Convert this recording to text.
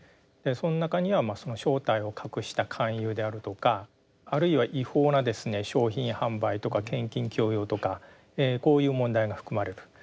その中には正体を隠した勧誘であるとかあるいは違法な商品販売とか献金強要とかこういう問題が含まれる。